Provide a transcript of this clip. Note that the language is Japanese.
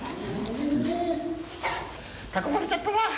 囲まれちゃったな。